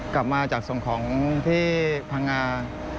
กลับมาจากส่งของที่พังงา